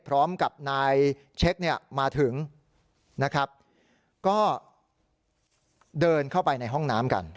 พร้อมกับนายเช็คเนี่ยมาถึงนะครับก็เดินเข้าไปในห้องน้ำกัน